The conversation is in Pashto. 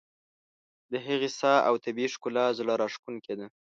د هغې ساده او طبیعي ښکلا زړه راښکونکې ده.